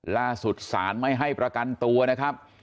ล่าสุดศาลไม่ให้ประกันตัวนะครับ